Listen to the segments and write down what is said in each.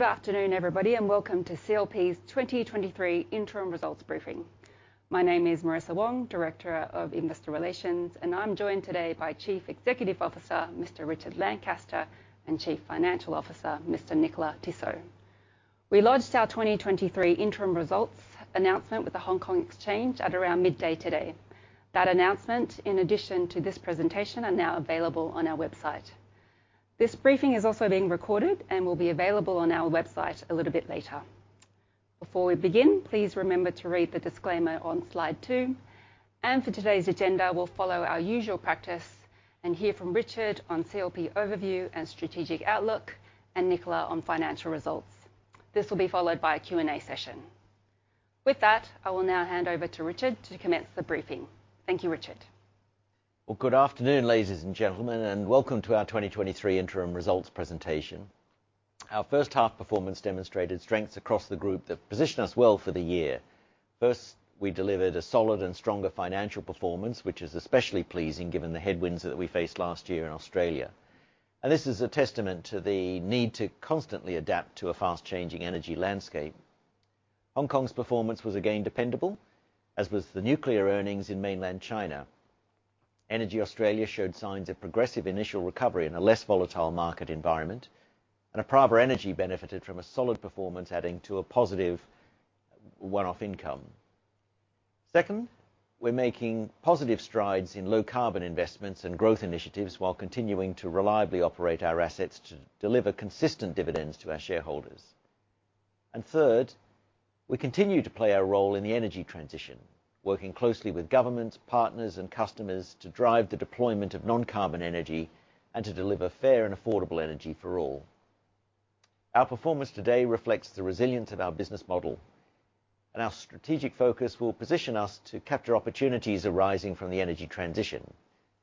Good afternoon, everybody, and welcome to CLP's 2023 interim results briefing. My name is Marissa Wong, Director of Investor Relations, and I'm joined today by Chief Executive Officer, Mr. Richard Lancaster, and Chief Financial Officer, Mr. Nicolas Tissot. We lodged our 2023 interim results announcement with the Hong Kong Exchange at around midday today. That announcement, in addition to this presentation, are now available on our website. This briefing is also being recorded and will be available on our website a little bit later. Before we begin, please remember to read the disclaimer on slide two, and for today's agenda, we'll follow our usual practice and hear from Richard on CLP overview and Nicolas on financial results. This will be followed by a Q&A session. With that, I will now hand over to Richard to commence the briefing. Thank you, Richard. Well, good afternoon, ladies and gentlemen, welcome to our 2023 interim results presentation. Our first half performance demonstrated strengths across the group that position us well for the year. First, we delivered a solid and stronger financial performance, which is especially pleasing given the headwinds that we faced last year in Australia. This is a testament to the need to constantly adapt to a fast-changing energy landscape. Hong Kong's performance was again dependable, as was the nuclear earnings in mainland China. EnergyAustralia showed signs of progressive initial recovery in a less volatile market environment, and Apraava Energy benefited from a solid performance, adding to a positive one-off income. Second, we're making positive strides in low carbon investments and growth initiatives while continuing to reliably operate our assets to deliver consistent dividends to our shareholders. Third, we continue to play our role in the energy transition, working closely with governments, partners, and customers to drive the deployment of non-carbon energy and to deliver fair and affordable energy for all. Our performance today reflects the resilience of our business model, and our strategic focus will position us to capture opportunities arising from the energy transition,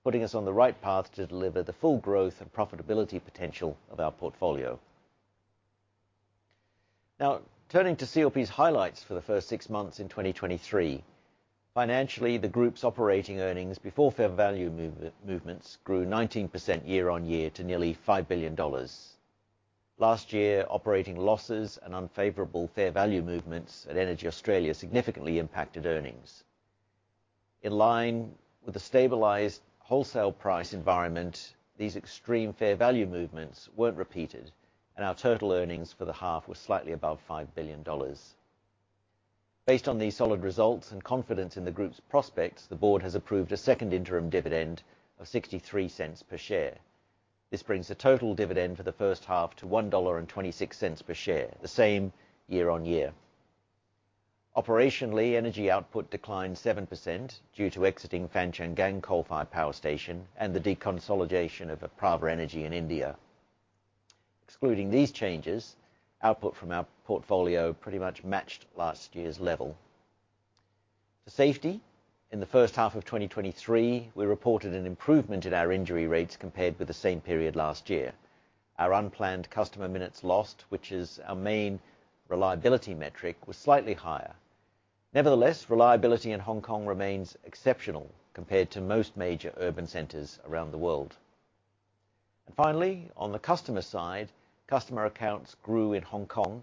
putting us on the right path to deliver the full growth and profitability potential of our portfolio. Turning to CLP's highlights for the first 6 months in 2023. Financially, the group's operating earnings before fair value movements grew 19% year on year to nearly $5 billion. Last year, operating losses and unfavorable fair value movements at EnergyAustralia significantly impacted earnings. In line with the stabilized wholesale price environment, these extreme fair value movements weren't repeated, and our total earnings for the half were slightly above 5 billion dollars. Based on these solid results and confidence in the group's prospects, the board has approved a second interim dividend of 0.63 per share. This brings the total dividend for the first half to 1.26 dollar per share, the same year-on-year. Operationally, energy output declined 7% due to exiting Fangchenggang coal-fired power station and the deconsolidation of Apraava Energy in India. Excluding these changes, output from our portfolio pretty much matched last year's level. To safety, in the first half of 2023, we reported an improvement in our injury rates compared with the same period last year. Our unplanned customer minutes lost, which is our main reliability metric, was slightly higher. Nevertheless, reliability in Hong Kong remains exceptional compared to most major urban centers around the world. Finally, on the customer side, customer accounts grew in Hong Kong,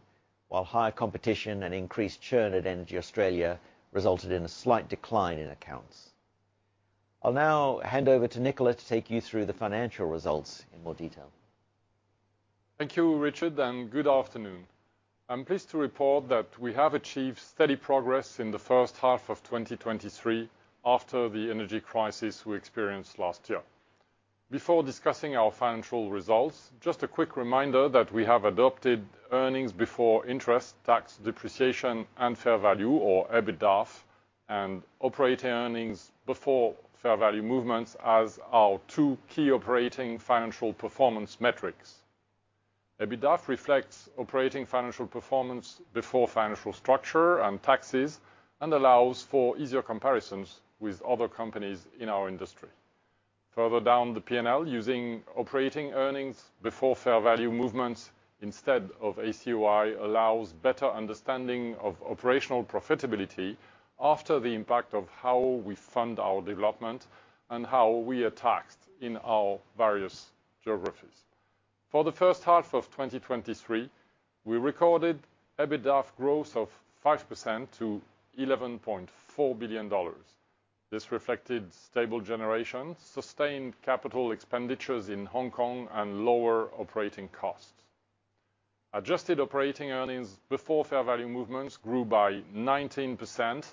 while higher competition and increased churn at EnergyAustralia resulted in a slight decline in accounts. I'll now hand over to Nicolas to take you through the financial results in more detail. Thank you, Richard. Good afternoon. I'm pleased to report that we have achieved steady progress in the first half of 2023 after the energy crisis we experienced last year. Before discussing our financial results, just a quick reminder that we have adopted earnings before interest, tax, depreciation, and fair value, or EBITDAF, and operating earnings before fair value movements as our two key operating financial performance metrics. EBITDAF reflects operating financial performance before financial structure and taxes and allows for easier comparisons with other companies in our industry. Further down the P&L, using operating earnings before fair value movements instead of ACUI allows better understanding of operational profitability after the impact of how we fund our development and how we are taxed in our various geographies. For the first half of 2023, we recorded EBITDAF growth of 5% to $11.4 billion. This reflected stable generation, sustained capital expenditures in Hong Kong, and lower operating costs. Adjusted operating earnings before fair value movements grew by 19%,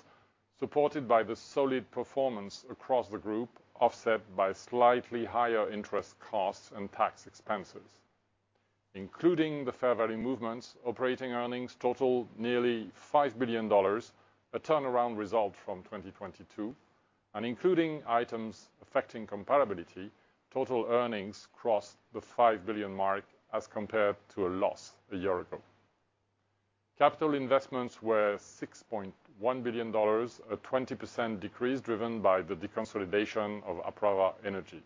supported by the solid performance across the group, offset by slightly higher interest costs and tax expenses. Including the fair value movements, operating earnings totaled nearly $5 billion, a turnaround result from 2022, and including items affecting comparability, total earnings crossed the $5 billion mark as compared to a loss a year ago. Capital investments were $6.1 billion, a 20% decrease, driven by the deconsolidation of Apraava Energy.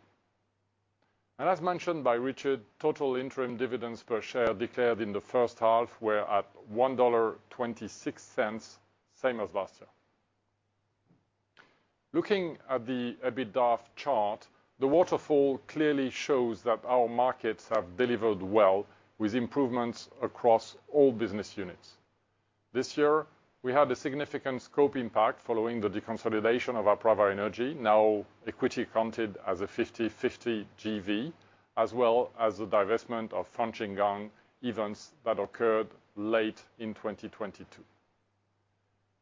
As mentioned by Richard, total interim dividends per share declared in the first half were at $1.26, same as last year. Looking at the EBITDAF chart, the waterfall clearly shows that our markets have delivered well, with improvements across all business units. This year, we had a significant scope impact following the deconsolidation of Apraava Energy, now equity counted as a 50/50 JV, as well as the divestment of Fangchenggang events that occurred late in 2022.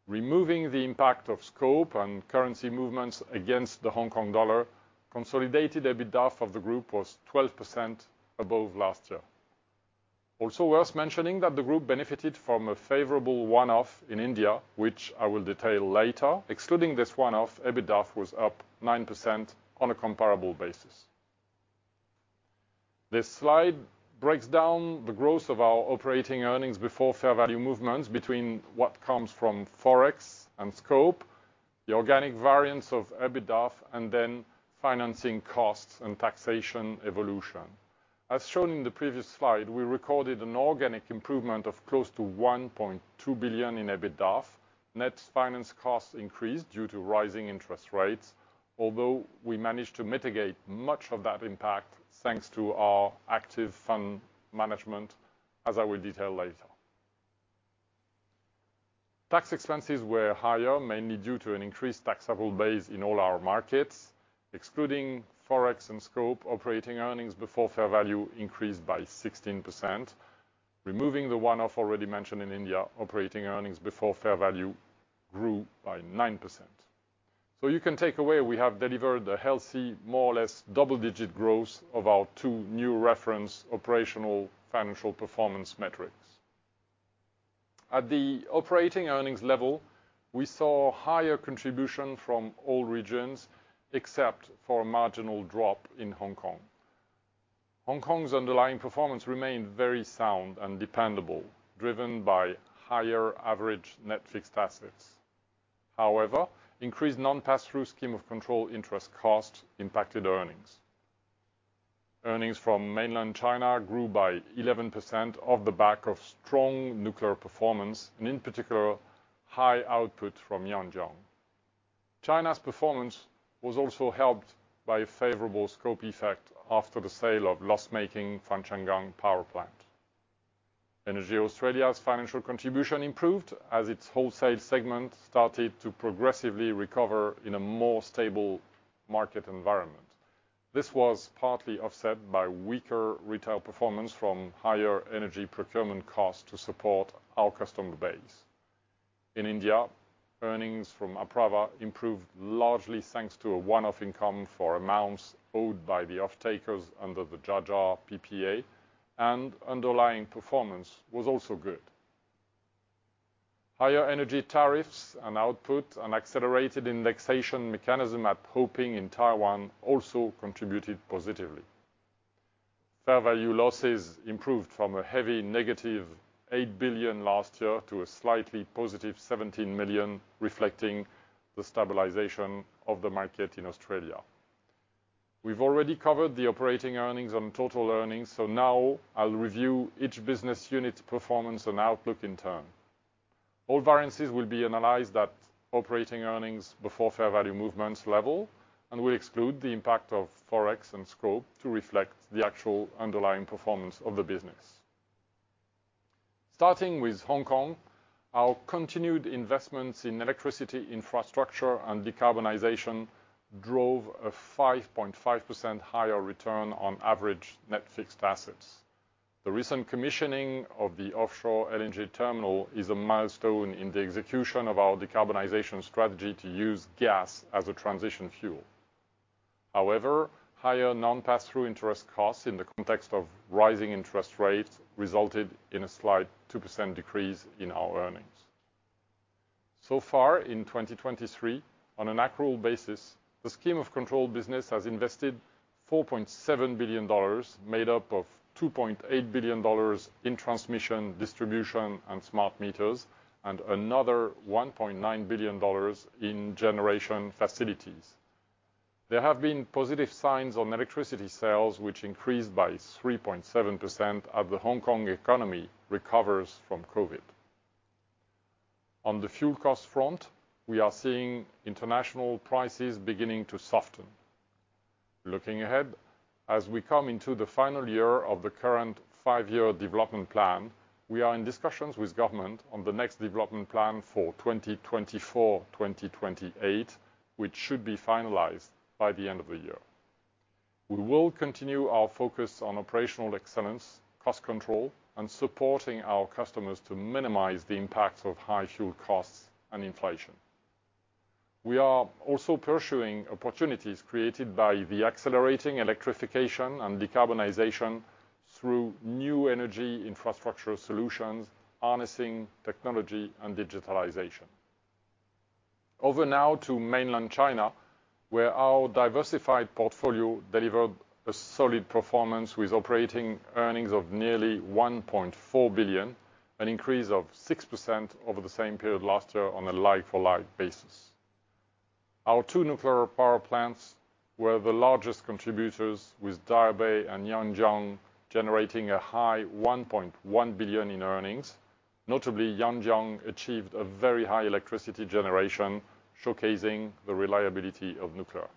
Removing the impact of scope and currency movements against the Hong Kong dollar, consolidated EBITDAF of the group was 12% above last year. Also worth mentioning that the group benefited from a favorable one-off in India, which I will detail later. Excluding this one-off, EBITDAF was up 9% on a comparable basis. This slide breaks down the growth of our operating earnings before fair value movements between what comes from Forex and scope, the organic variance of EBITDAF, and then financing costs and taxation evolution. As shown in the previous slide, we recorded an organic improvement of close to 1.2 billion in EBITDAF. Net finance costs increased due to rising interest rates, although we managed to mitigate much of that impact, thanks to our active fund management, as I will detail later. Tax expenses were higher, mainly due to an increased taxable base in all our markets. Excluding Forex and scope, operating earnings before fair value increased by 16%. Removing the one-off already mentioned in India, operating earnings before fair value grew by 9%. You can take away, we have delivered a healthy, more or less double-digit growth of our two new reference operational financial performance metrics. At the operating earnings level, we saw higher contribution from all regions, except for a marginal drop in Hong Kong. Hong Kong's underlying performance remained very sound and dependable, driven by higher average net fixed assets. However, increased non-pass-through Scheme of Control interest costs impacted earnings. Earnings from mainland China grew by 11% off the back of strong nuclear performance, and in particular, high output from Yangjiang. China's performance was also helped by a favorable scope effect after the sale of loss-making Fangchenggang power plant. EnergyAustralia's financial contribution improved as its wholesale segment started to progressively recover in a more stable market environment. This was partly offset by weaker retail performance from higher energy procurement costs to support our customer base. In India, earnings from Apraava improved, largely thanks to a one-off income for amounts owed by the off-takers under the Jhajjar PPA, and underlying performance was also good. Higher energy tariffs and output and accelerated indexation mechanism at Ho-Ping in Taiwan also contributed positively. Fair value losses improved from a heavy negative 8 billion last year to a slightly positive 17 million, reflecting the stabilization of the market in Australia. We've already covered the operating earnings and total earnings, now I'll review each business unit's performance and outlook in turn. All variances will be analyzed at operating earnings before fair value movements level, and we exclude the impact of Forex and scope to reflect the actual underlying performance of the business. Starting with Hong Kong, our continued investments in electricity, infrastructure, and decarbonization drove a 5.5% higher return on average net fixed assets. The recent commissioning of the offshore LNG terminal is a milestone in the execution of our decarbonization strategy to use gas as a transition fuel. However, higher non-pass-through interest costs in the context of rising interest rates resulted in a slight 2% decrease in our earnings. Far in 2023, on an accrual basis, the Scheme of Control business has invested 4.7 billion dollars, made up of 2.8 billion dollars in transmission, distribution, and smart meters, and another 1.9 billion dollars in generation facilities. There have been positive signs on electricity sales, which increased by 3.7% as the Hong Kong economy recovers from COVID. On the fuel cost front, we are seeing international prices beginning to soften. Looking ahead, as we come into the final year of the current five-year development plan, we are in discussions with government on the next development plan for 2024, 2028, which should be finalized by the end of the year. We will continue our focus on operational excellence, cost control, and supporting our customers to minimize the impacts of high fuel costs and inflation. We are also pursuing opportunities created by the accelerating electrification and decarbonization through new energy infrastructure solutions, harnessing technology and digitalization. Over now to mainland China, where our diversified portfolio delivered a solid performance with operating earnings of nearly 1.4 billion, an increase of 6% over the same period last year on a like-for-like basis. Were the largest contributors, with Daya Bay and Yangjiang generating a high 1.1 billion in earnings. Notably, Yangjiang achieved a very high electricity generation, showcasing the reliability of nuclear.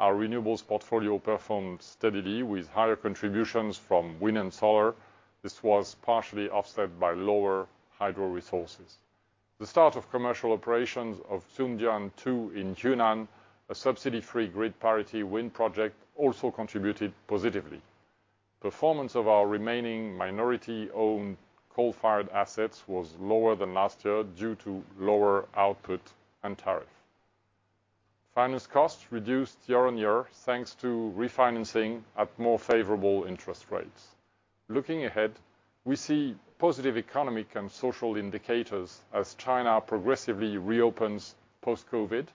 Our renewables portfolio performed steadily, with higher contributions from wind and solar. This was partially offset by lower hydro resources. The start of commercial operations of Xundian II in Yunnan, a subsidy-free grid parity wind project, also contributed positively. Performance of our remaining minority-owned coal-fired assets was lower than last year due to lower output and tariff. Finance costs reduced year-on-year, thanks to refinancing at more favorable interest rates. Looking ahead, we see positive economic and social indicators as China progressively reopens post-COVID,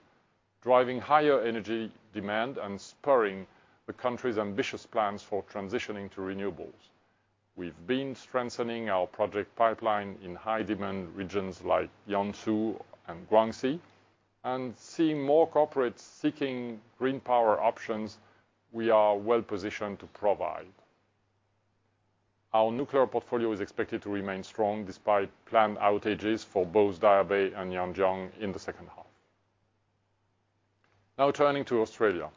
driving higher energy demand and spurring the country's ambitious plans for transitioning to renewables. We've been strengthening our project pipeline in high-demand regions like Jiangsu and Guangxi, and seeing more corporates seeking green power options we are well positioned to provide. Our nuclear portfolio is expected to remain strong, despite planned outages for both Daya Bay and Yangjiang in the second half. Now, turning to Australia.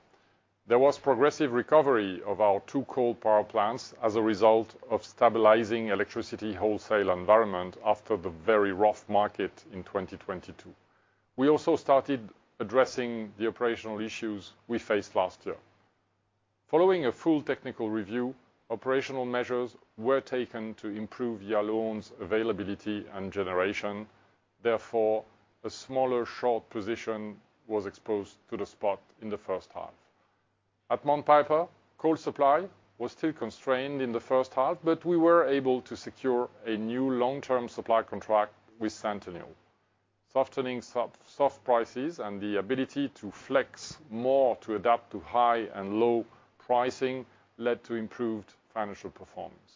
There was progressive recovery of our two coal power plants as a result of stabilizing electricity wholesale environment after the very rough market in 2022. We also started addressing the operational issues we faced last year. Following a full technical review, operational measures were taken to improve Yallourn's availability and generation. Therefore, a smaller short position was exposed to the spot in the first half. At Mount Piper, coal supply was still constrained in the first half, but we were able to secure a new long-term supply contract with Centennial. Soft prices and the ability to flex more to adapt to high and low pricing led to improved financial performance.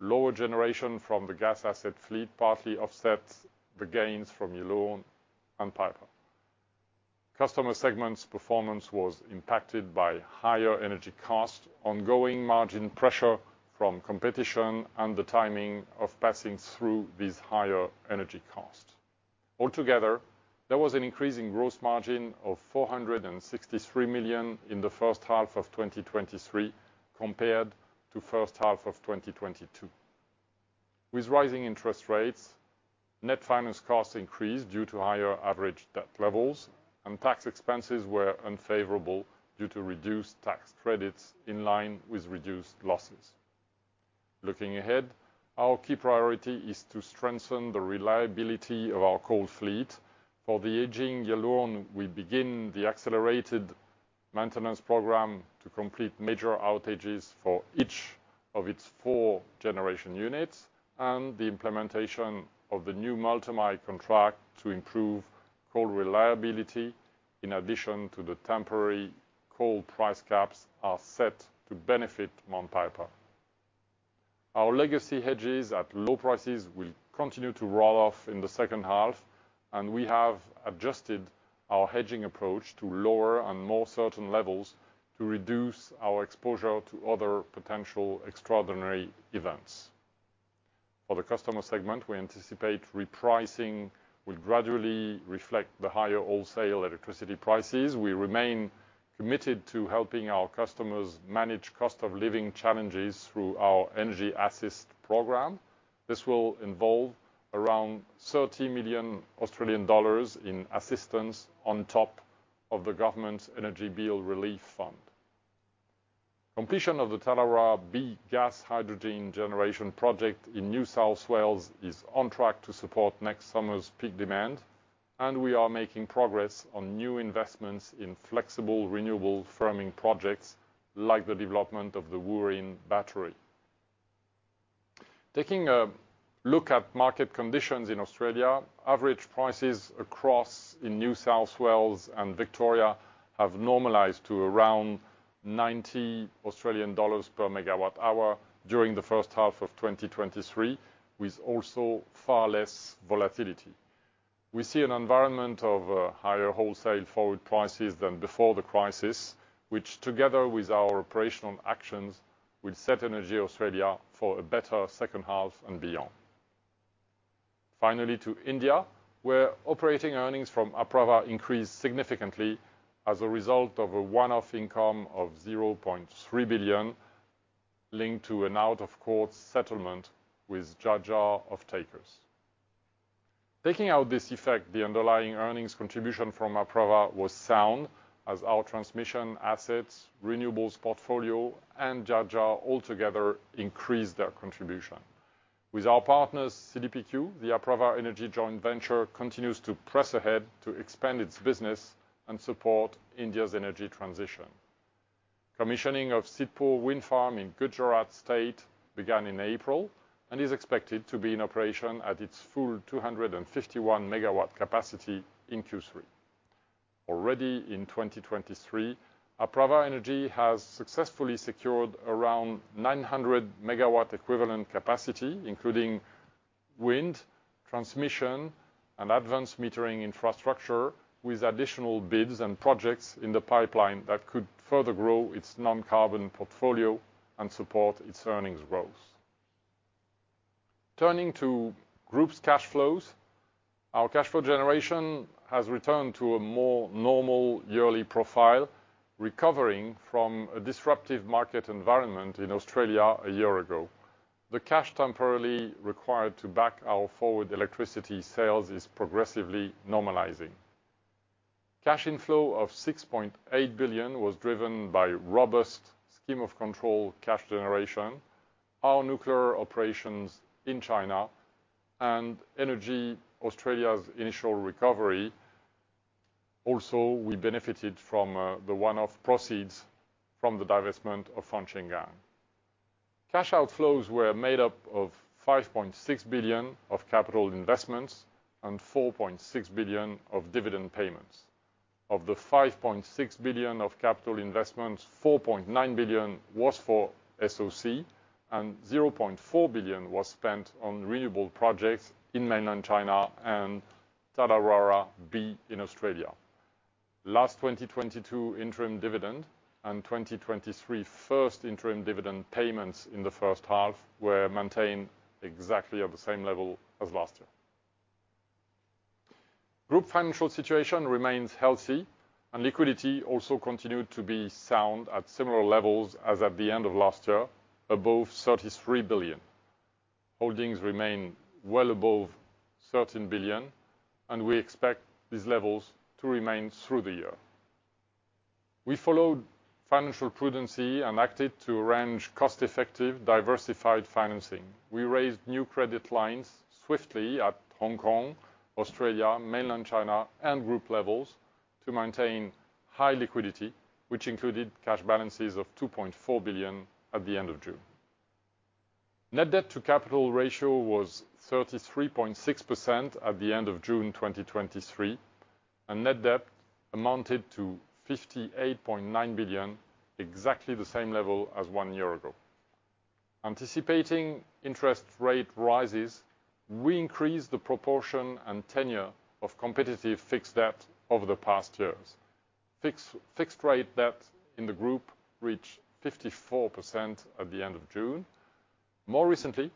Lower generation from the gas asset fleet partly offsets the gains from Yallourn and Piper. Customer segments performance was impacted by higher energy costs, ongoing margin pressure from competition, and the timing of passing through these higher energy costs. Altogether, there was an increase in gross margin of 463 million in the first half of 2023, compared to first half of 2022. With rising interest rates, net finance costs increased due to higher average debt levels, and tax expenses were unfavorable due to reduced tax credits in line with reduced losses. Looking ahead, our key priority is to strengthen the reliability of our coal fleet. For the aging Yallourn, we begin the accelerated maintenance program to complete major outages for each of its 4 generation units and the implementation of the new multi-mine contract to improve coal reliability, in addition to the temporary coal price caps, are set to benefit Mount Piper. Our legacy hedges at low prices will continue to roll off in the second half, and we have adjusted our hedging approach to lower and more certain levels to reduce our exposure to other potential extraordinary events. For the customer segment, we anticipate repricing will gradually reflect the higher wholesale electricity prices. We remain committed to helping our customers manage cost-of-living challenges through our EnergyAssist program. This will involve around 30 million Australian dollars in assistance on top of the government's Energy Bill Relief Fund. Completion of the Tallawarra B gas hydrogen generation project in New South Wales is on track to support next summer's peak demand, and we are making progress on new investments in flexible, renewable firming projects, like the development of the Wooreen battery. Taking a look at market conditions in Australia, average prices across in New South Wales and Victoria have normalized to around 90 Australian dollars per MWh during the first half of 2023, with also far less volatility. We see an environment of higher wholesale forward prices than before the crisis, which together with our operational actions, will set EnergyAustralia for a better second half and beyond. To India, where operating earnings from Apraava increased significantly as a result of a one-off income of 0.3 billion, linked to an out-of-court settlement with Jhajjar off-takers. Taking out this effect, the underlying earnings contribution from Apraava was sound, as our transmission assets, renewables portfolio, and Jhajjar altogether increased their contribution. With our partners, CDPQ, the Apraava Energy joint venture, continues to press ahead to expand its business and support India's energy transition. Commissioning of Sidhpur wind farm in Gujarat State began in April and is expected to be in operation at its full 251 MW capacity in Q3. Already in 2023, Apraava Energy has successfully secured around 900 MW equivalent capacity, including wind, transmission, and advanced metering infrastructure, with additional bids and projects in the pipeline that could further grow its non-carbon portfolio and support its earnings growth. Turning to group's cash flows, our cash flow generation has returned to a more normal yearly profile, recovering from a disruptive market environment in Australia a year ago. The cash temporarily required to back our forward electricity sales is progressively normalizing. Cash inflow of 6.8 billion was driven by robust Scheme of Control cash generation, our nuclear operations in China, and EnergyAustralia's initial recovery. We benefited from the one-off proceeds from the divestment of Fangchenggang. Cash outflows were made up of 5.6 billion of capital investments and 4.6 billion of dividend payments. Of the 5.6 billion of capital investments, 4.9 billion was for SOC, and 0.4 billion was spent on renewable projects in mainland China and Tallawarra B in Australia. Last 2022 interim dividend and 2023 first interim dividend payments in the first half were maintained exactly at the same level as last year. Group financial situation remains healthy, and liquidity also continued to be sound at similar levels as at the end of last year, above 33 billion. Holdings remain well above 13 billion, and we expect these levels to remain through the year. We followed financial prudency and acted to arrange cost-effective, diversified financing. We raised new credit lines swiftly at Hong Kong, Australia, Mainland China, and group levels to maintain high liquidity, which included cash balances of 2.4 billion at the end of June. Net debt to capital ratio was 33.6% at the end of June 2023, and net debt amounted to 58.9 billion, exactly the same level as 1 year ago. Anticipating interest rate rises, we increased the proportion and tenure of competitive fixed debt over the past years. Fixed, fixed rate debt in the group reached 54% at the end of June. More recently,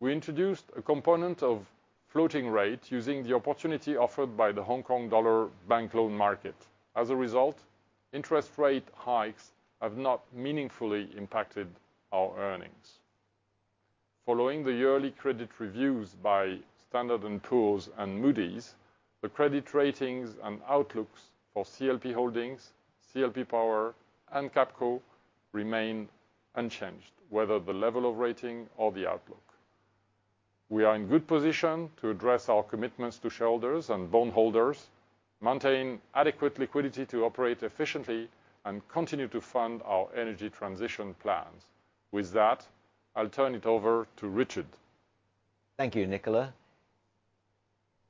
we introduced a component of floating rate using the opportunity offered by the Hong Kong dollar bank loan market. As a result, interest rate hikes have not meaningfully impacted our earnings. Following the yearly credit reviews by Standard and Poor's and Moody's, the credit ratings and outlooks for CLP Holdings, CLP Power, and CAPCO remain unchanged, whether the level of rating or the outlook. We are in good position to address our commitments to shareholders and bondholders, maintain adequate liquidity to operate efficiently, and continue to fund our energy transition plans. With that, I'll turn it over to Richard. Thank you, Nicolas.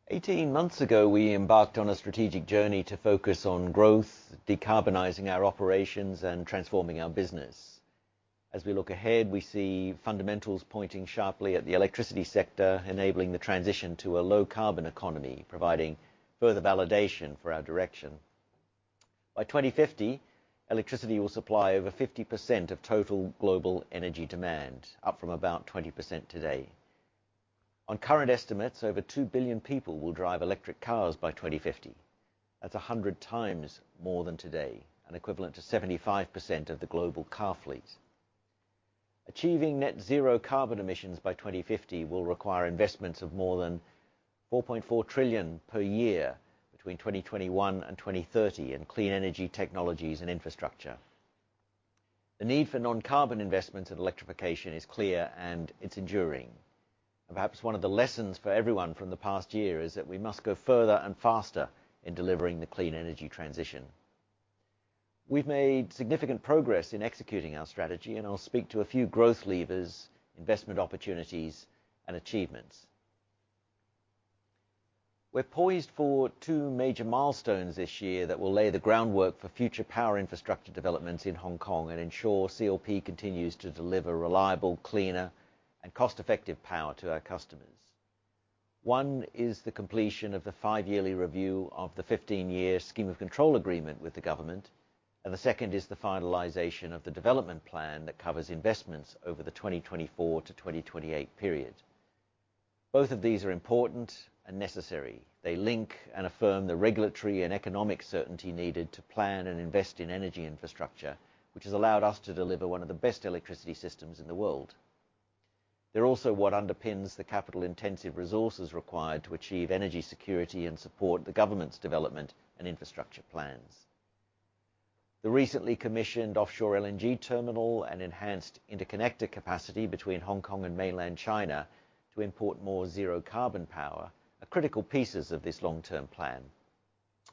18 months ago, we embarked on a strategic journey to focus on growth, decarbonizing our operations, and transforming our business. As we look ahead, we see fundamentals pointing sharply at the electricity sector, enabling the transition to a low-carbon economy, providing further validation for our direction. By 2050, electricity will supply over 50% of total global energy demand, up from about 20% today. On current estimates, over 2 billion people will drive electric cars by 2050. That's 100 times more than today and equivalent to 75% of the global car fleet. Achieving net-zero carbon emissions by 2050 will require investments of more than $4.4 trillion per year between 2021 and 2030 in clean energy technologies and infrastructure. The need for non-carbon investments and electrification is clear, and it's enduring. Perhaps one of the lessons for everyone from the past year is that we must go further and faster in delivering the clean energy transition. We've made significant progress in executing our strategy, and I'll speak to a few growth levers, investment opportunities, and achievements. We're poised for two major milestones this year that will lay the groundwork for future power infrastructure developments in Hong Kong and ensure CLP continues to deliver reliable, cleaner, and cost-effective power to our customers. One is the completion of the five-yearly review of the 15-year Scheme of Control agreement with the government, and the second is the finalization of the development plan that covers investments over the 2024 to 2028 period. Both of these are important and necessary. They link and affirm the regulatory and economic certainty needed to plan and invest in energy infrastructure, which has allowed us to deliver one of the best electricity systems in the world. They're also what underpins the capital-intensive resources required to achieve energy security and support the government's development and infrastructure plans. The recently commissioned offshore LNG terminal and enhanced interconnector capacity between Hong Kong and mainland China to import more zero-carbon power are critical pieces of this long-term plan,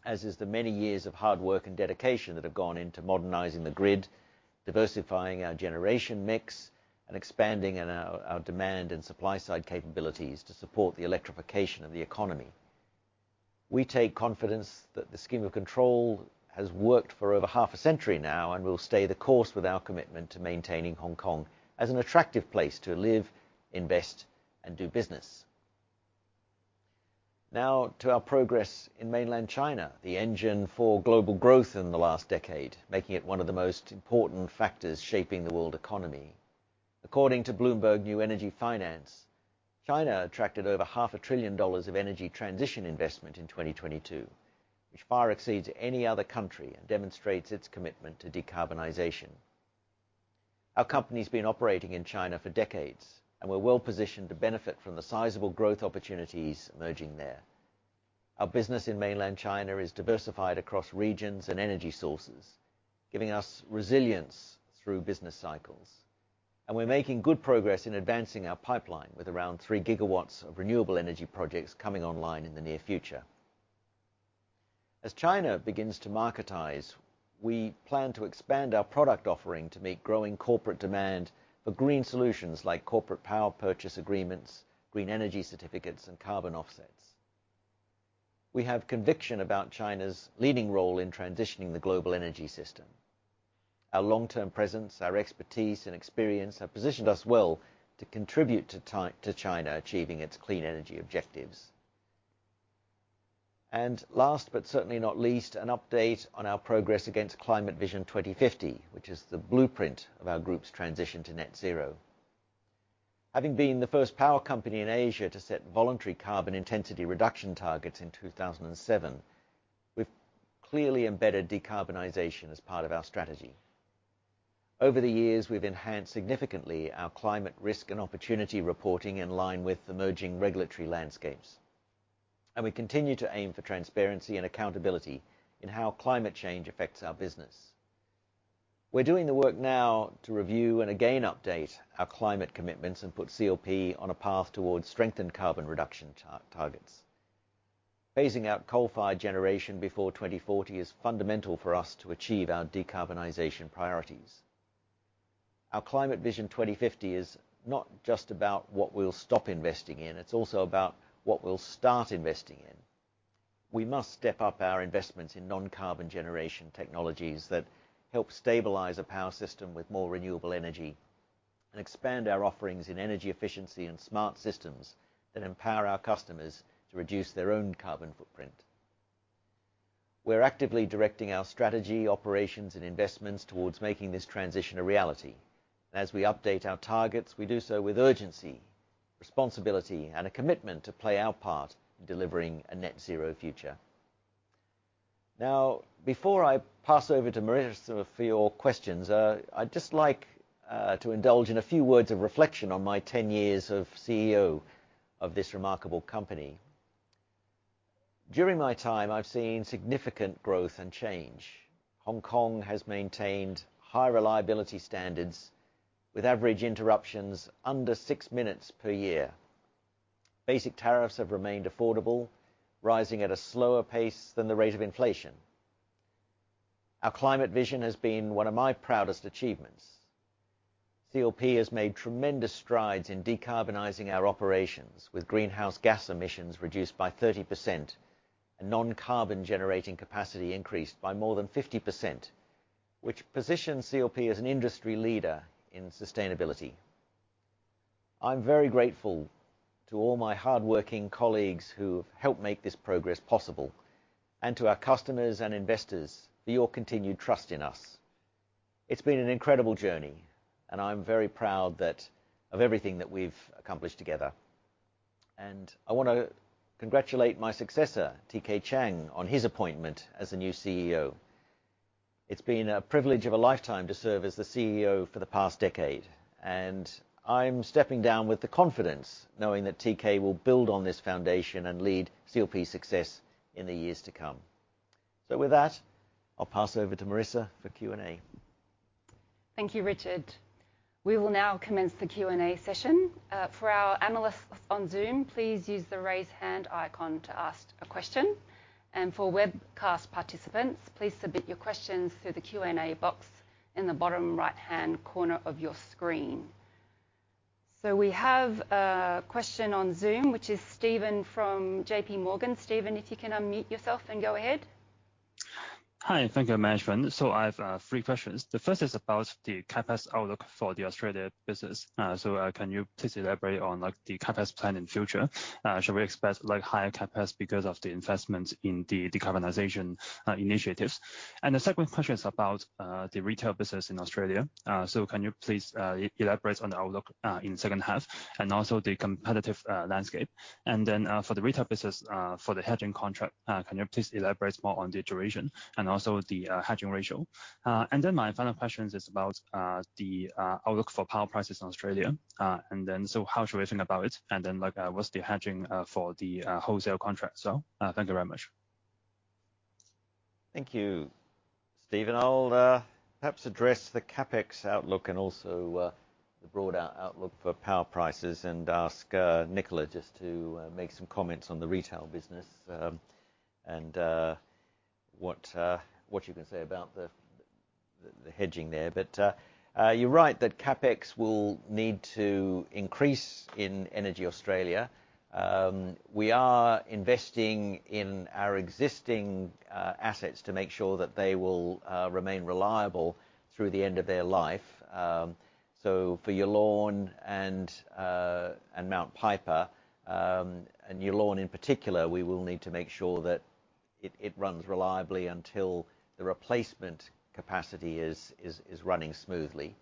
as is the many years of hard work and dedication that have gone into modernizing the grid, diversifying our generation mix, and expanding our demand and supply-side capabilities to support the electrification of the economy. We take confidence that the Scheme of Control has worked for over half a century now, and we'll stay the course with our commitment to maintaining Hong Kong as an attractive place to live, invest, and do business. Now, to our progress in mainland China, the engine for global growth in the last decade, making it one of the most important factors shaping the world economy. According to BloombergNEF, China attracted over $0.5 trillion of energy transition investment in 2022, which far exceeds any other country and demonstrates its commitment to decarbonization. Our company's been operating in China for decades, and we're well positioned to benefit from the sizable growth opportunities emerging there. Our business in mainland China is diversified across regions and energy sources, giving us resilience through business cycles. We're making good progress in advancing our pipeline, with around 3 GW of renewable energy projects coming online in the near future. As China begins to marketize, we plan to expand our product offering to meet growing corporate demand for green solutions like corporate power purchase agreements, green energy certificates, and carbon offsets. We have conviction about China's leading role in transitioning the global energy system. Our long-term presence, our expertise, and experience have positioned us well to contribute to China achieving its clean energy objectives. Last, but certainly not least, an update on our progress against Climate Vision 2050, which is the blueprint of our group's transition to net zero. Having been the first power company in Asia to set voluntary carbon intensity reduction targets in 2007, we've clearly embedded decarbonization as part of our strategy. Over the years, we've enhanced significantly our climate risk and opportunity reporting in line with emerging regulatory landscapes, and we continue to aim for transparency and accountability in how climate change affects our business. We're doing the work now to review and again, update our climate commitments and put CLP on a path towards strengthened carbon reduction targets. Phasing out coal-fired generation before 2040 is fundamental for us to achieve our decarbonization priorities. Our Climate Vision 2050 is not just about what we'll stop investing in, it's also about what we'll start investing in. We must step up our investments in non-carbon generation technologies that help stabilize a power system with more renewable energy and expand our offerings in energy efficiency and smart systems that empower our customers to reduce their own carbon footprint. We're actively directing our strategy, operations, and investments towards making this transition a reality. As we update our targets, we do so with urgency, responsibility, and a commitment to play our part in delivering a net zero future. Now, before I pass over to Marissa Wong for your questions, I'd just like to indulge in a few words of reflection on my 10 years of CEO of this remarkable company. During my time, I've seen significant growth and change. Hong Kong has maintained high reliability standards, with average interruptions under 6 minutes per year. Basic tariffs have remained affordable, rising at a slower pace than the rate of inflation. Our Climate Vision has been one of my proudest achievements. CLP has made tremendous strides in decarbonizing our operations, with greenhouse gas emissions reduced by 30% and non-carbon generating capacity increased by more than 50%, which positions CLP as an industry leader in sustainability. I'm very grateful to all my hardworking colleagues who have helped make this progress possible, and to our customers and investors for your continued trust in us. It's been an incredible journey, and I'm very proud of everything that we've accomplished together. I want to congratulate my successor, TK Chiang, on his appointment as the new CEO. It's been a privilege of a lifetime to serve as the CEO for the past decade, and I'm stepping down with the confidence, knowing that TK will build on this foundation and lead CLP's success in the years to come. With that, I'll pass over to Marissa for Q&A. Thank you, Richard. We will now commence the Q&A session. For our analysts on Zoom, please use the raise hand icon to ask a question. For webcast participants, please submit your questions through the Q&A box in the bottom right-hand corner of your screen. We have a question on Zoom, which is Steven from JP Morgan. Steven, if you can unmute yourself and go ahead. Hi, thank you, management. So I have three questions. The first is about the CapEx outlook for the Australia business. So, can you please elaborate on, like, the CapEx plan in future? Shall we expect, like, higher CapEx because of the investments in the decarbonization initiatives? The second question is about the retail business in Australia. So can you please elaborate on the outlook in the second half and also the competitive landscape? For the retail business, for the hedging contract, can you please elaborate more on the duration and also the hedging ratio? My final question is about the outlook for power prices in Australia. So how should we think about it? like, what's the hedging, for the, wholesale contract? Thank you very much. Thank you, Steven. I'll perhaps address the CapEx outlook and also the broader outlook for power prices, and ask Nicolas just to make some comments on the retail business, and what what you can say about the hedging there, but you're right, that CapEx will need to increase in EnergyAustralia. We are investing in our existing assets to make sure that they will remain reliable through the end of their life. So for Yallourn and Mount Piper, and Yallourn, in particular, we will need to make sure that it, it runs reliably until the replacement capacity is, is, is running smoothly.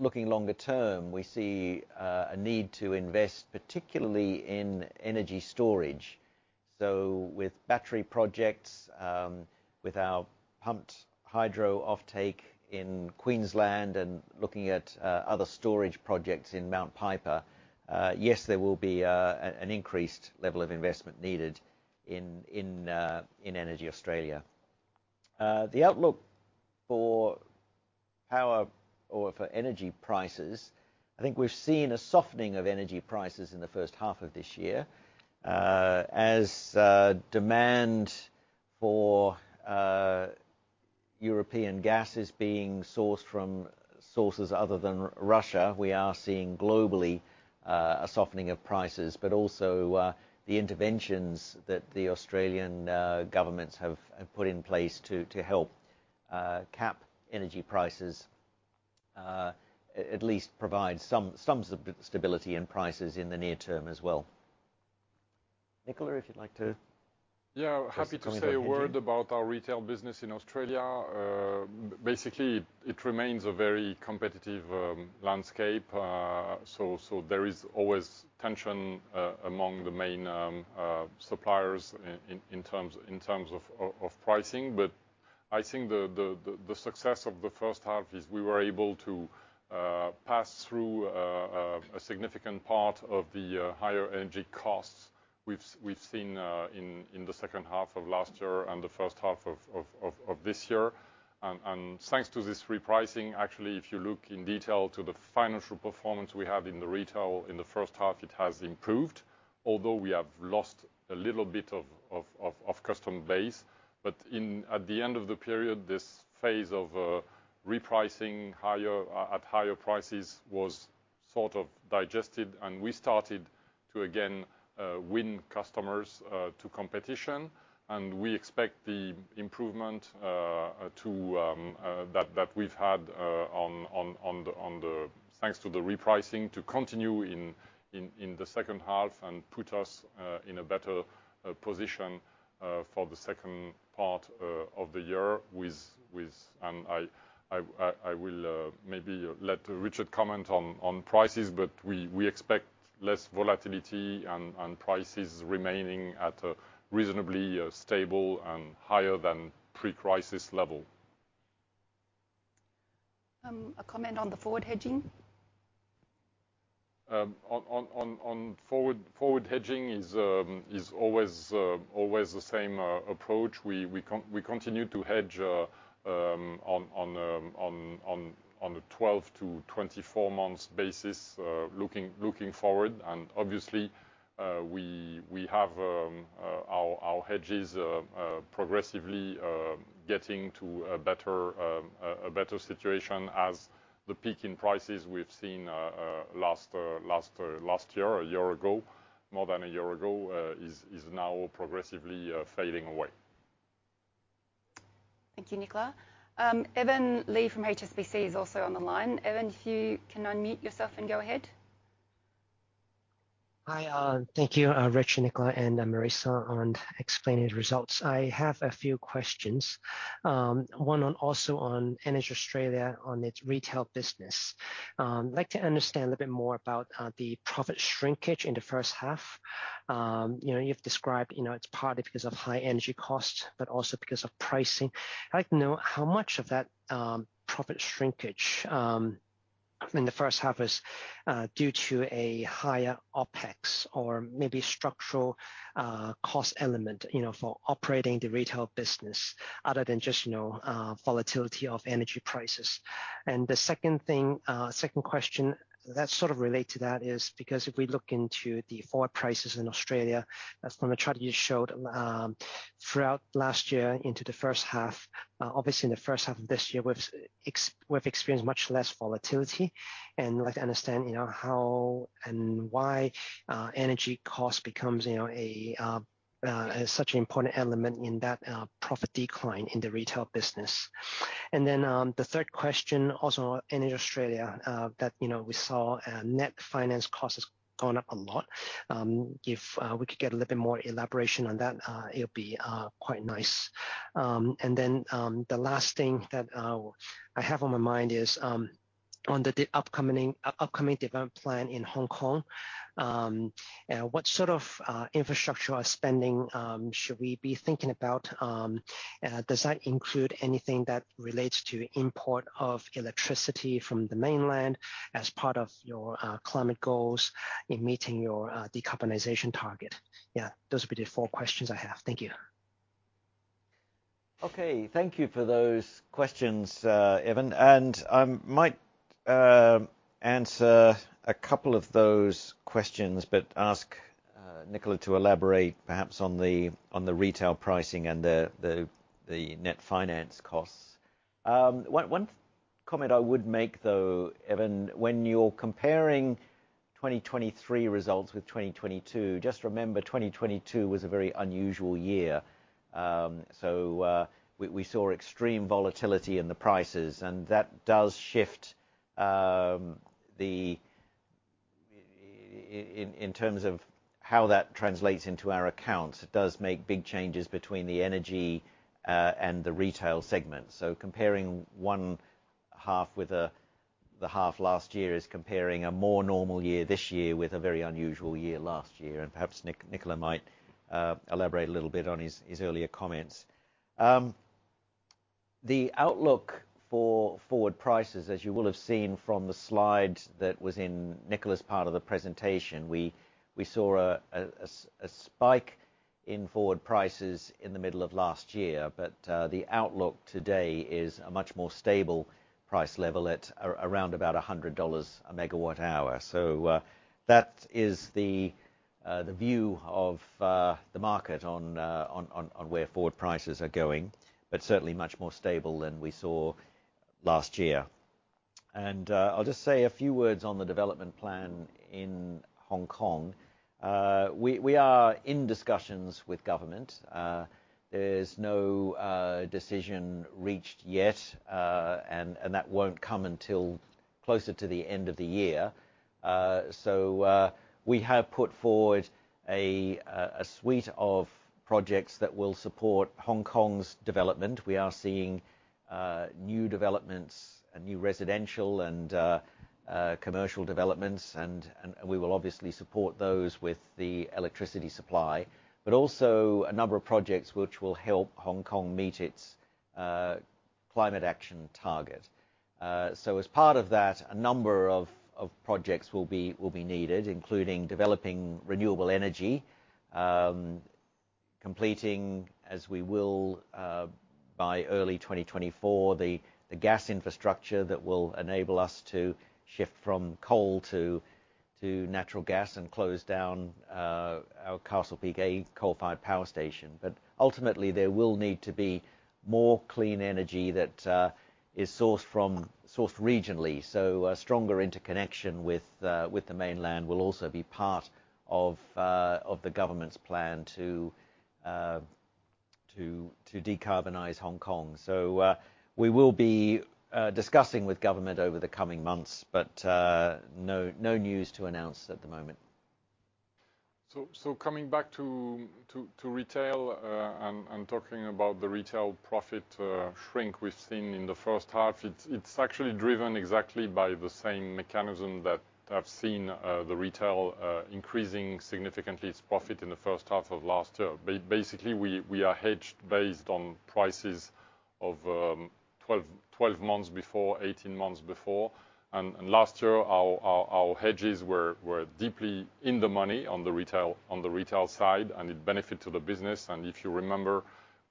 Looking longer term, we see a need to invest, particularly in energy storage. With battery projects, with our pumped hydro offtake in Queensland, and looking at other storage projects in Mount Piper, yes, there will be an increased level of investment needed in EnergyAustralia. The outlook for power or for energy prices, I think we've seen a softening of energy prices in the first half of this year. As demand for European gas is being sourced from sources other than Russia, we are seeing globally a softening of prices, but also the interventions that the Australian governments have put in place to help cap energy prices, at least provide some stability in prices in the near term as well. Nicolas, if you'd like to- Yeah, happy to say a word about our retail business in Australia. Basically, it remains a very competitive landscape. There is always tension among the main suppliers in terms, in terms of, of, of pricing. I think the, the, the, the success of the first half is we were able to pass through a significant part of the higher energy costs we've seen in the second half of last year and the first half of, of, of, of this year. Thanks to this repricing, actually, if you look in detail to the financial performance we have in the retail, in the first half, it has improved, although we have lost a little bit of customer base. In... at the end of the period, this phase of, repricing higher, at higher prices was sort of digested, and we started to again, win customers, to competition. We expect the improvement, to, that, that we've had, on, on, on the, on the, thanks to the repricing to continue in, in, in the second half and put us, in a better, position, for the second part, of the year with, with ...I will, maybe let Richard comment on, on prices, but we, we expect less volatility and, and prices remaining at a reasonably, stable and higher than pre-crisis level. A comment on the forward hedging? On, on, on, on forward, forward hedging is always, always the same approach. We continue to hedge on, on, on, on a 12 months-24 months basis, looking, looking forward. Obviously, we, we have our, our hedges progressively getting to a better, a better situation as the peak in prices we've seen last, last, last year, a year ago, more than a year ago, is, is now progressively fading away. Thank you, Nicolas. Evan Li from HSBC is also on the line. Evan, if you can unmute yourself and go ahead. Hi, thank you, Rich, Nicolas, and Marissa, on explaining results. I have a few questions, one on, also on EnergyAustralia, on its retail business. I'd like to understand a bit more about the profit shrinkage in the first half. You know, you've described, you know, it's partly because of high energy costs, but also because of pricing. I'd like to know how much of that profit shrinkage in the first half is due to a higher OpEx or maybe structural cost element, you know, for operating the retail business, other than just, you know, volatility of energy prices. The second thing, second question that sort of relate to that is because if we look into the forward prices in Australia, as from the chart you showed, throughout last year into the first half, obviously in the first half of this year, we've experienced much less volatility. I'd like to understand, you know, how and why energy cost becomes, you know, such an important element in that profit decline in the retail business. The third question, also in Australia, that, you know, we saw net finance costs has gone up a lot. If we could get a little bit more elaboration on that, it would be quite nice. The last thing that I have on my mind is on the upcoming development plan in Hong Kong, what sort of infrastructure spending should we be thinking about? Does that include anything that relates to import of electricity from the Mainland as part of your climate goals in meeting your decarbonization target? Yeah, those would be the four questions I have. Thank you. Okay, thank you for those questions, Evan. I might answer a couple of those questions, but Nicolas, to elaborate perhaps on the, on the retail pricing and the, the, the net finance costs. One, one comment I would make, though, Evan, when you're comparing 2023 results with 2022, just remember, 2022 was a very unusual year. We, we saw extreme volatility in the prices, and that does shift, in terms of how that translates into our accounts. It does make big changes between the energy, and the retail segment. Comparing one half with, the half last year is comparing a more normal year this year with a very unusual year last year. Perhaps Nicolas might elaborate a little bit on his, his earlier comments. The outlook for forward prices, as you will have seen from the slide that was in Nicolas's part of the presentation, we saw a spike in forward prices in the middle of last year. The outlook today is a much more stable price level at around about 100 dollars a megawatt hour. That is the view of the market on where forward prices are going, but certainly much more stable than we saw last year. I'll just say a few words on the development plan in Hong Kong. We are in discussions with government. There's no decision reached yet, and that won't come until closer to the end of the year. We have put forward a suite of projects that will support Hong Kong's development. We are seeing new developments and new residential and commercial developments, and, and we will obviously support those with the electricity supply. Also a number of projects which will help Hong Kong meet its climate action target. As part of that, a number of projects will be needed, including developing renewable energy, completing, as we will, by early 2024, the, the gas infrastructure that will enable us to shift from coal to, to natural gas and close down our Castle Peak A coal-fired power station. Ultimately, there will need to be more clean energy that is sourced from-- sourced regionally. A stronger interconnection with the Mainland will also be part of the government's plan to decarbonize Hong Kong. We will be discussing with government over the coming months, but no news to announce at the moment. Coming back to retail, and talking about the retail profit shrink we've seen in the first half, it's actually driven exactly by the same mechanism that have seen the retail increasing significantly its profit in the first half of last year. Basically, we are hedged based on prices of 12 months before, 18 months before. Last year, our, our, our hedges were deeply in the money on the retail, on the retail side, and it benefit to the business. If you remember,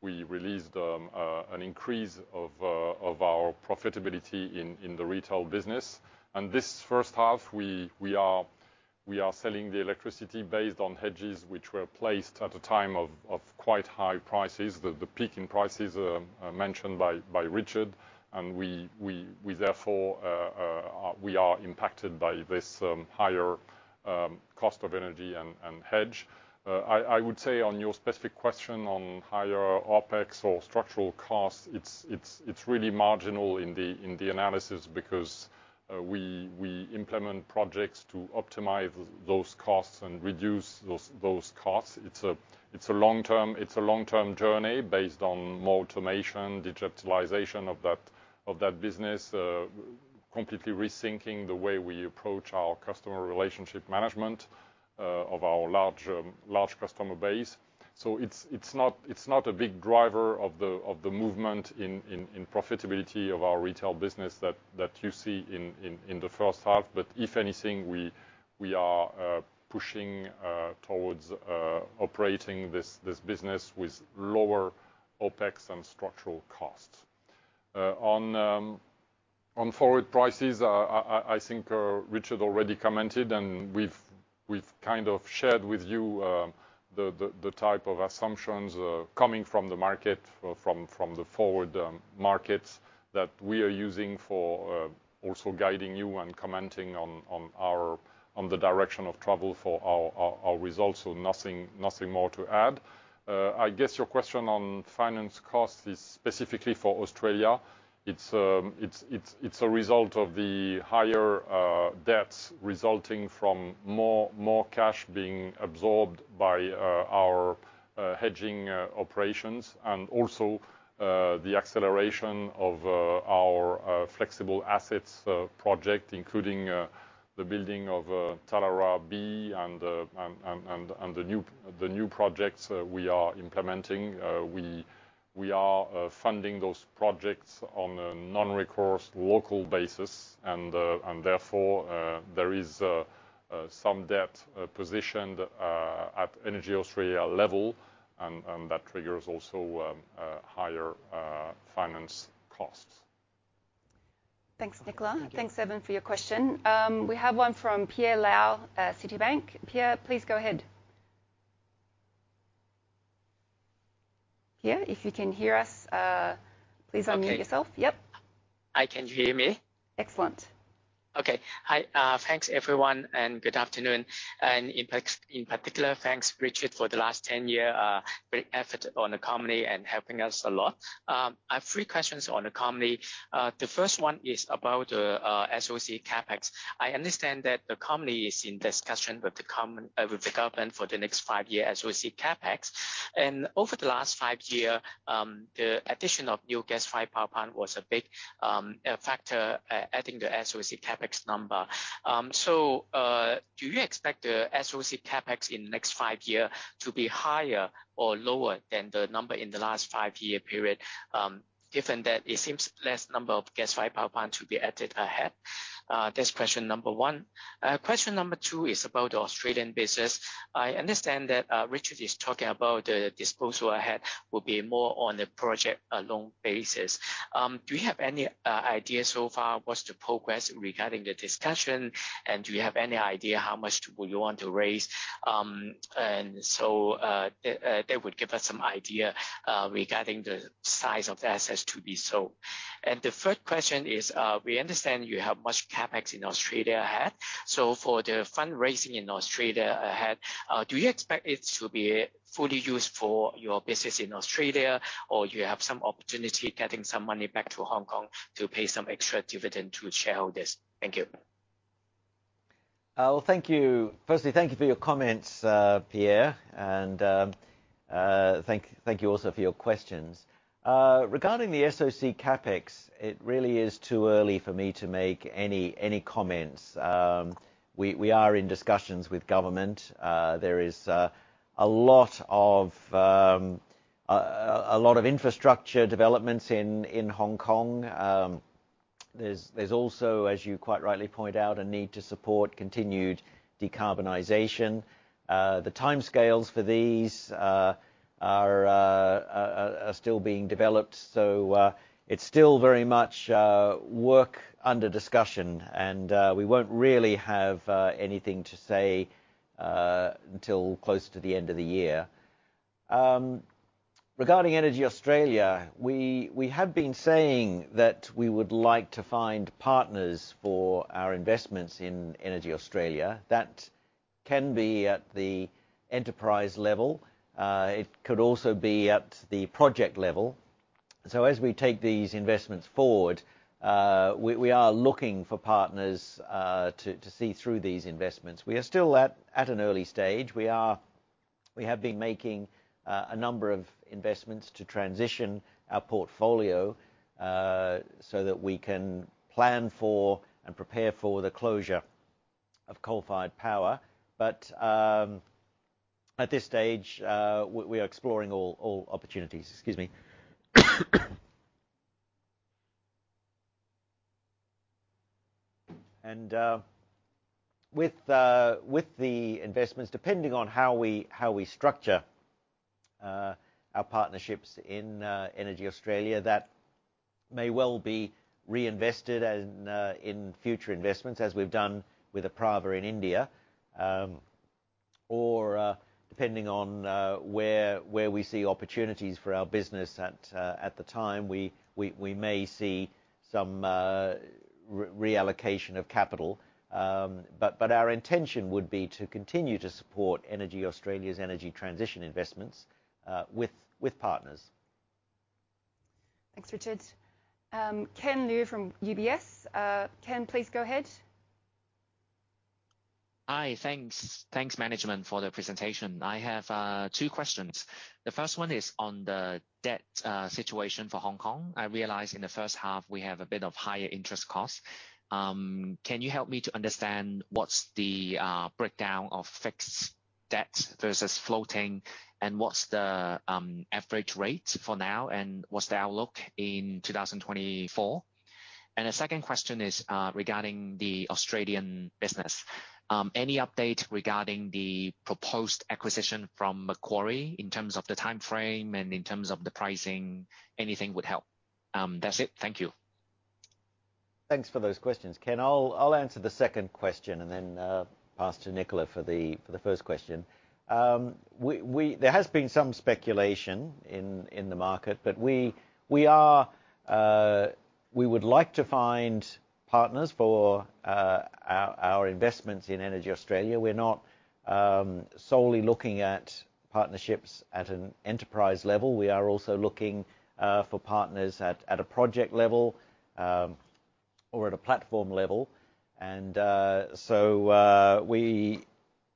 we released an increase of our profitability in the retail business. This first half, we are, we are selling the electricity based on hedges, which were placed at a time of quite high prices. The peak in prices mentioned by Richard, and we, we, we therefore, we are impacted by this higher cost of energy and hedge. I would say on your specific question on higher OpEx or structural costs, it's really marginal in the analysis because we implement projects to optimize those costs and reduce those costs. It's a long-term journey based on more automation, digitalization of that, of that business, completely rethinking the way we approach our customer relationship management of our large customer base. It's not a big driver of the movement in profitability of our retail business that you see in the first half. If anything, we, we are pushing towards operating this, this business with lower OpEx and structural costs. On, on forward prices, I think Richard already commented, and we've, we've kind of shared with you the, the, the type of assumptions coming from the market, from, from the forward markets that we are using for also guiding you and commenting on, on our-- on the direction of travel for our, our, our results. Nothing, nothing more to add. I guess your question on finance costs is specifically for Australia. It's a result of the higher debts resulting from more, more cash being absorbed by our hedging operations, and also the acceleration of our flexible assets project, including the building of Tallawarra B and the new projects we are implementing. We are funding those projects on a non-recourse local basis, and therefore, there is some debt positioned at EnergyAustralia level, and that triggers also higher finance costs.... Thanks, Nicolas. Thanks, Evan, for your question. We have one from Pierre Lau, Citi. Pierre, please go ahead. Pierre, if you can hear us, please unmute yourself. Okay. Yep. Hi, can you hear me? Excellent. Okay. Hi, thanks, everyone, good afternoon. In particular, thanks, Richard, for the last 10-year great effort on the company and helping us a lot. I have three questions on the company. The first one is about SOC CapEx. I understand that the company is in discussion with the government for the next five-year SOC CapEx. Over the last five-year, the addition of new gas-fired power plant was a big factor adding the SOC CapEx number. Do you expect the SOC CapEx in the next five-year to be higher or lower than the number in the last five-year period, given that it seems less number of gas-fired power plant to be added ahead? That's question number one. Question number two is about Australian business. I understand that Richard is talking about the disposal ahead will be more on the project loan basis. Do you have any idea so far what's the progress regarding the discussion, and do you have any idea how much would you want to raise? That would give us some idea regarding the size of the assets to be sold. The third question is, we understand you have much CapEx in Australia ahead. For the fundraising in Australia ahead, do you expect it to be fully used for your business in Australia, or you have some opportunity getting some money back to Hong Kong to pay some extra dividend to shareholders? Thank you. Well, thank you. Firstly, thank you for your comments, Pierre, thank, thank you also for your questions. Regarding the SOC CapEx, it really is too early for me to make any, any comments. We, we are in discussions with government. There is a lot of a lot of infrastructure developments in Hong Kong. There's, there's also, as you quite rightly point out, a need to support continued decarbonization. The timescales for these are still being developed, so it's still very much work under discussion. We won't really have anything to say until close to the end of the year. Regarding Energy Australia, we, we have been saying that we would like to find partners for our investments in Energy Australia. That can be at the enterprise level. It could also be at the project level. As we take these investments forward, we, we are looking for partners, to, to see through these investments. We are still at, at an early stage. We have been making a number of investments to transition our portfolio, so that we can plan for and prepare for the closure of coal-fired power. At this stage, we, we are exploring all, all opportunities. Excuse me. With the investments, depending on how we, how we structure our partnerships in EnergyAustralia, that may well be reinvested in future investments, as we've done with Apraava in India. Depending on, where, where we see opportunities for our business at, at the time, we, we, we may see some, re-reallocation of capital. But our intention would be to continue to support EnergyAustralia's energy transition investments, with, with partners. Thanks, Richard. Ken Lu from UBS. Ken, please go ahead. Hi, thanks. Thanks, management, for the presentation. I have two questions. The first one is on the debt situation for Hong Kong. I realize in the first half we have a bit of higher interest costs. Can you help me to understand what's the breakdown of fixed debt versus floating, and what's the average rate for now, and what's the outlook in 2024? The second question is regarding the Australian business. Any update regarding the proposed acquisition from Macquarie in terms of the timeframe and in terms of the pricing? Anything would help. That's it. Thank you. Thanks for those questions, Ken. I'll, I'll answer the second question and then pass to Nicolas for the, for the first question. We, we... There has been some speculation in, in the market, but we, we are we would like to find partners for our, our investments in EnergyAustralia. We're not solely looking at partnerships at an enterprise level. We are also looking for partners at, at a project level or at a platform level. So we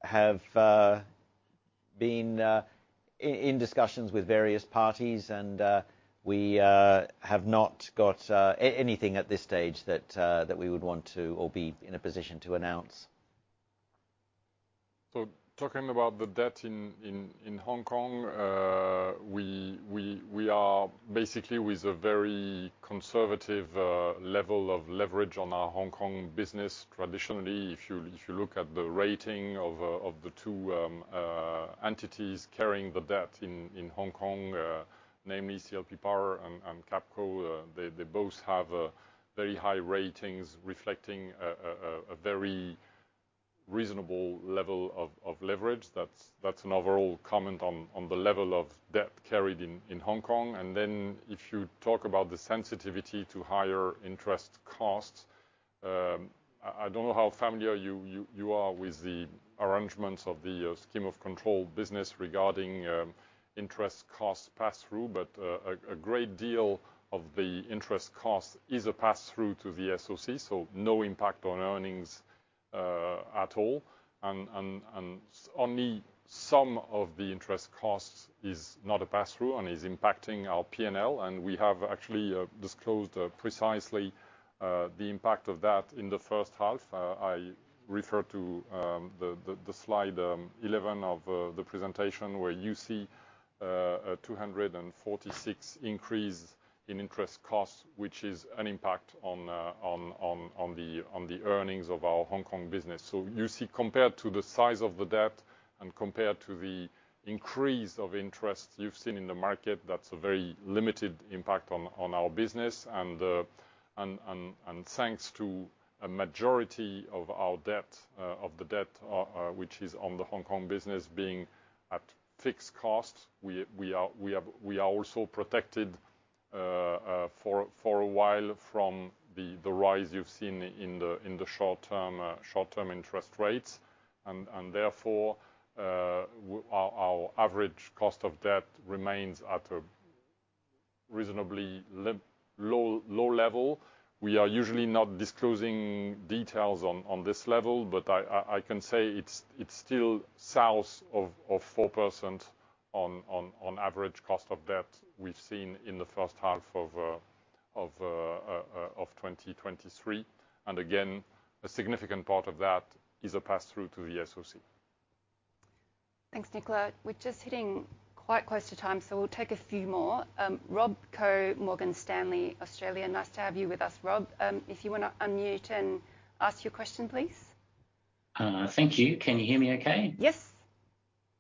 have been in discussions with various parties, and we have not got anything at this stage that we would want to or be in a position to announce. Talking about the debt in, in, in Hong Kong, we, we, we are basically with a very conservative level of leverage on our Hong Kong business. Traditionally, if you, if you look at the rating of the two entities carrying the debt in, in Hong Kong, namely CLP Power and, and Capco, they, they both have very high ratings, reflecting a very reasonable level of leverage. That's an overall comment on the level of debt carried in Hong Kong. If you talk about the sensitivity to higher interest costs, I don't know how familiar you are with the arrangements of the Scheme of Control business regarding interest costs pass-through, but a great deal of the interest cost is a pass-through to the SOC, so no impact on earnings at all. Only some of the interest costs is not a pass-through and is impacting our P&L, and we have actually disclosed precisely the impact of that in the first half. I refer to the slide 11 of the presentation, where you see an 246 increase in interest costs, which is an impact on the earnings of our Hong Kong business. You see, compared to the size of the debt and compared to the increase of interest you've seen in the market, that's a very limited impact on our business. Thanks to a majority of our debt, of the debt, which is on the Hong Kong business being at fixed costs, we are also protected for a while from the rise you've seen in the short-term interest rates. Therefore, our average cost of debt remains at a reasonably low, low level. We are usually not disclosing details on, on this level, but I can say it's, it's still south of, of 4% on, on, on average cost of debt we've seen in the first half of 2023. Again, a significant part of that is a pass-through to the SOC. Thanks, Nicolas. We're just hitting quite close to time, so we'll take a few more. Rob Koh, Morgan Stanley, Australia. Nice to have you with us, Rob. If you want to unmute and ask your question, please. Thank you. Can you hear me okay? Yes.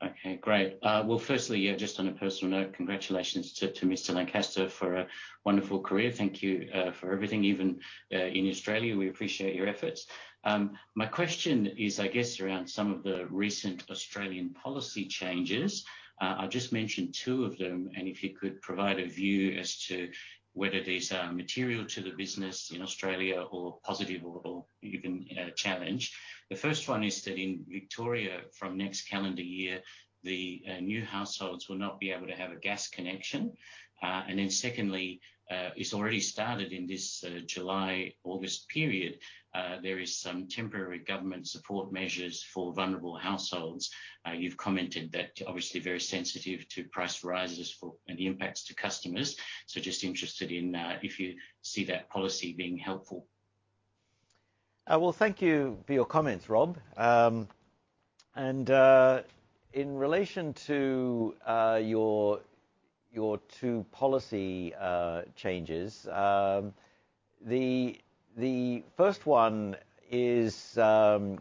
Okay, great. Well, firstly, yeah, just on a personal note, congratulations to Mr. Lancaster for a wonderful career. Thank you for everything, even in Australia, we appreciate your efforts. My question is, I guess, around some of the recent Australian policy changes. I'll just mention two of them, and if you could provide a view as to whether these are material to the business in Australia, or positive, or even challenge. The first one is that in Victoria, from next calendar year, the new households will not be able to have a gas connection. Then secondly, it's already started in this July-August period, there is some temporary government support measures for vulnerable households. You've commented that obviously very sensitive to price rises for, and the impacts to customers. just interested in, if you see that policy being helpful? Well, thank you for your comments, Rob. In relation to, your, your two policy changes, the first one is, with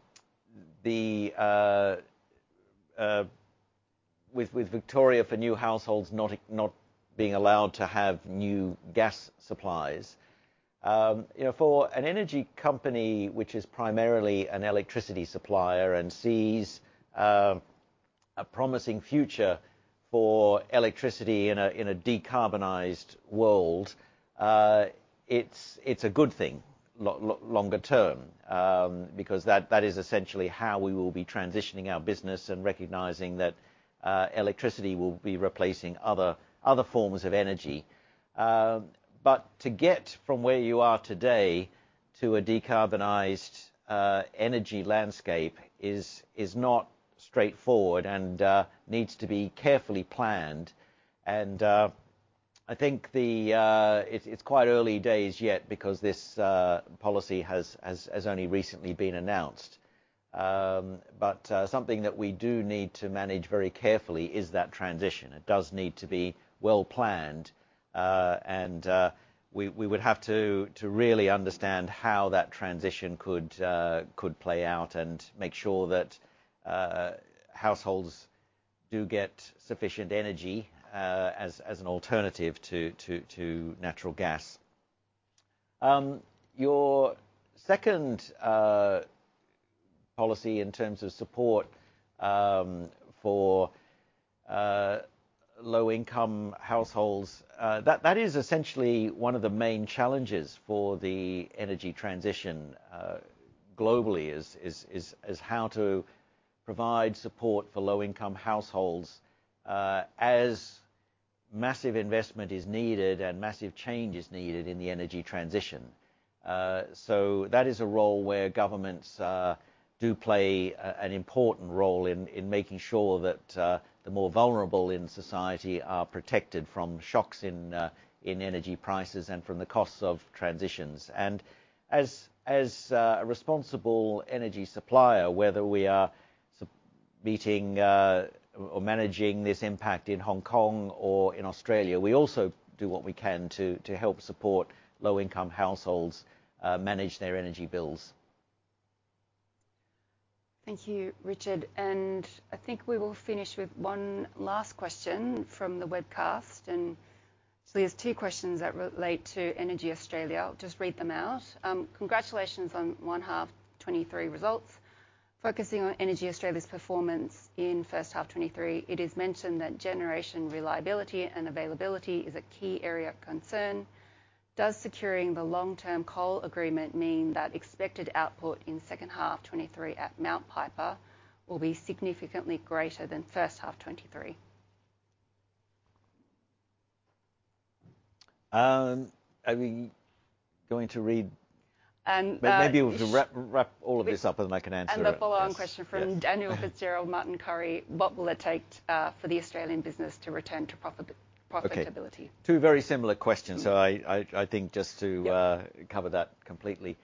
Victoria, for new households, not, not being allowed to have new gas supplies. You know, for an energy company, which is primarily an electricity supplier and sees a promising future for electricity in a decarbonized world, it's, it's a good thing longer term. Because that is essentially how we will be transitioning our business and recognizing that electricity will be replacing other forms of energy. To get from where you are today to a decarbonized energy landscape is not straightforward and needs to be carefully planned. I think it's quite early days yet because this policy has only recently been announced. Something that we do need to manage very carefully is that transition. It does need to be well planned. We would have to really understand how that transition could play out and make sure that households do get sufficient energy as an alternative to natural gas. Your second policy in terms of support for low-income households, that is essentially one of the main challenges for the energy transition globally, is how to provide support for low-income households as massive investment is needed, and massive change is needed in the energy transition. That is a role where governments do play an important role in making sure that the more vulnerable in society are protected from shocks in energy prices and from the costs of transitions. As a responsible energy supplier, whether we are meeting or managing this impact in Hong Kong or in Australia, we also do what we can to help support low-income households manage their energy bills. Thank you, Richard, and I think we will finish with one last question from the webcast. There's two questions that relate to EnergyAustralia. I'll just read them out. Congratulations on 1H 2023 results. Focusing on EnergyAustralia's performance in 1H 2023, it is mentioned that generation reliability and availability is a key area of concern. Does securing the long-term coal agreement mean that expected output in 2H 2023 at Mount Piper will be significantly greater than 1H 2023? Are we going to read- And, uh- Maybe we could wrap, wrap all of this up, and then I can answer. The follow-on question. Yes... from Daniel Fitzgerald, Martin Currie: "What will it take for the Australian business to return to profit, profitability? Okay. Two very similar questions. Yep... cover that completely.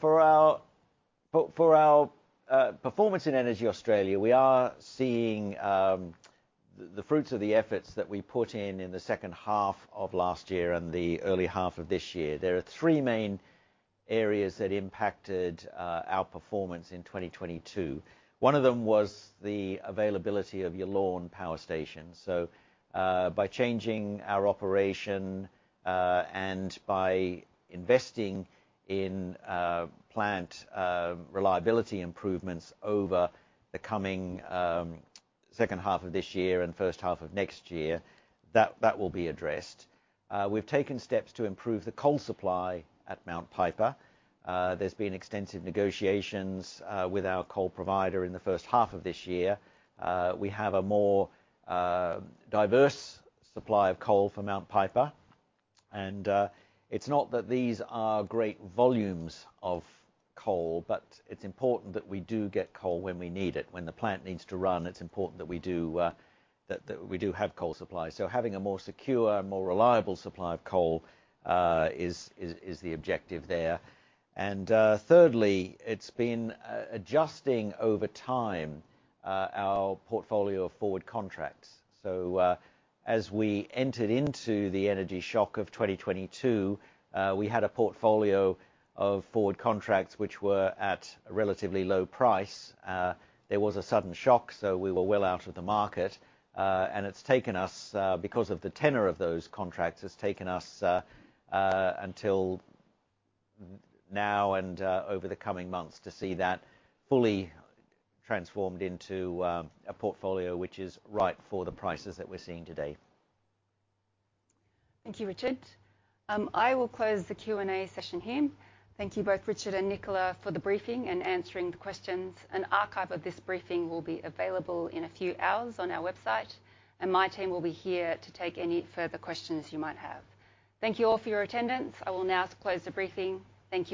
For our, for, for our performance in EnergyAustralia, we are seeing the fruits of the efforts that we put in, in the second half of last year and the early half of this year. There are 3 main areas that impacted our performance in 2022. One of them was the availability of Yallourn Power Station. By changing our operation, and by investing in plant reliability improvements over the coming second half of this year and first half of next year, that, that will be addressed. We've taken steps to improve the coal supply at Mount Piper. There's been extensive negotiations with our coal provider in the first half of this year. We have a more diverse supply of coal for Mount Piper, and it's not that these are great volumes of coal, but it's important that we do get coal when we need it. When the plant needs to run, it's important that we do have coal supply. Having a more secure and more reliable supply of coal is the objective there. Thirdly, it's been adjusting over time our portfolio of forward contracts. As we entered into the energy shock of 2022, we had a portfolio of forward contracts which were at a relatively low price. There was a sudden shock, so we were well out of the market. It's taken us, because of the tenor of those contracts, it's taken us, until now and over the coming months to see that fully transformed into a portfolio which is right for the prices that we're seeing today. Thank you, Richard. I will close the Q&A session here. Thank you both, Richard and Nicolas, for the briefing and answering the questions. An archive of this briefing will be available in a few hours on our website. My team will be here to take any further questions you might have. Thank you all for your attendance. I will now close the briefing. Thank you.